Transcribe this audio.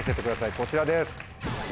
こちらです。